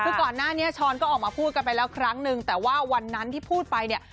คือก่อนหน้านี้ช้อนก็ออกมาพูดกันไปแล้วครั้งนึงแต่ว่าวันนั้นที่พูดไปเนี่ย